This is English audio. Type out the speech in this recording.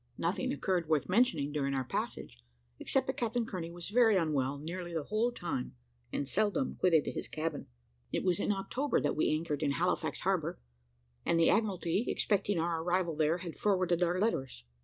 Nothing occurred worth mentioning during our passage, except that Captain Kearney was very unwell nearly the whole of the time, and seldom quitted his cabin. It was in October that we anchored in Halifax harbour, and the Admiralty, expecting our arrival there, had forwarded our letters.